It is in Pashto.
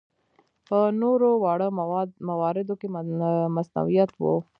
په نورو واړه مواردو کې مصنوعیت و.